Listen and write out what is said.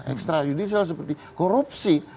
ekstrajudisial seperti korupsi